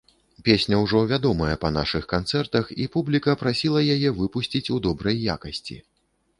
Песня ўжо вядомая па нашых канцэртах, і публіка прасіла яе выпусціць у добрай якасці.